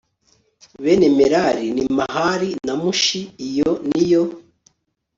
Bene Merari ni Mahali na Mushi Iyo ni yo